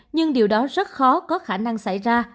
nhưng điều đó rất khó có khả năng xảy ra